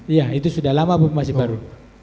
iya itu sudah lama bu masih baru